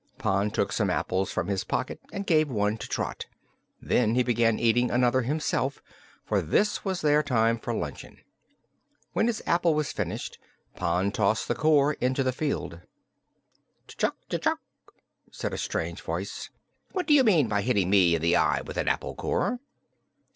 Pon took some apples from his pocket and gave one to Trot. Then he began eating another himself, for this was their time for luncheon. When his apple was finished Pon tossed the core into the field. "Tchuk tchuk!" said a strange voice. "What do you mean by hitting me in the eye with an apple core?"